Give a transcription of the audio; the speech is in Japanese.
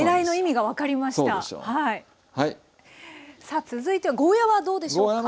さあ続いてはゴーヤーはどうでしょうか。